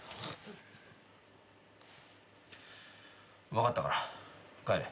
分かったから帰れ。